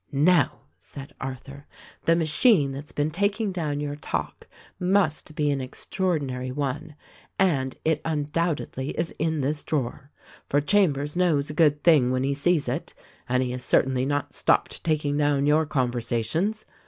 "Now," said Arthur, "the machine that's been taking down your talk must be an extraordinary one, and it undoubtedly is in this drawer ; for Chambers knows a good thing when he sees it, and he has certainly not stopped taking down your conversations.